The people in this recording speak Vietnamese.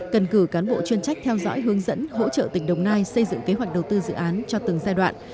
cần cử cán bộ chuyên trách theo dõi hướng dẫn hỗ trợ tỉnh đồng nai xây dựng kế hoạch đầu tư dự án cho từng giai đoạn